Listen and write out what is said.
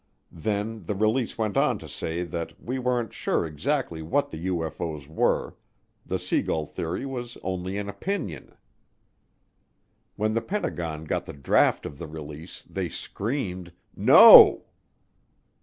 Then the release went on to say that we weren't sure exactly what the UFO's were, the sea gull theory was only an opinion. When the Pentagon got the draft of the release they screamed, "No!"